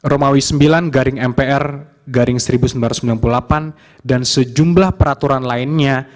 romawi sembilan garing mpr garing seribu sembilan ratus sembilan puluh delapan dan sejumlah peraturan lainnya